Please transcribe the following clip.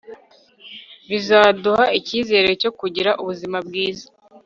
bizaduha icyizere cyo kugira ubuzima bwiza